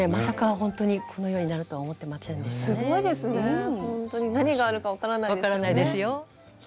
ほんとに何があるか分からないですよね。